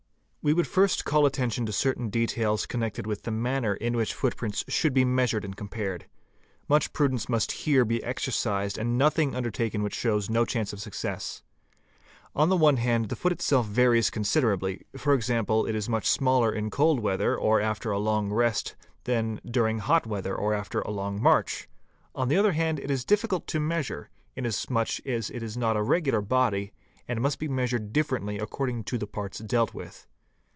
We would first call attention to certain details connected with the manner in which footprints should be measured and compared. Much — prudence must here be exercised and nothing undertaken which shows no chance of success. On the one hand the foot itself varies considerably, e.g., it is much smaller in cold weather or after a long rest than during ~ hot weather or after a long march; on the other hand it is difficult to y measure, in as much as it is not a regular body and must be measured i differently according to the parts dealt with.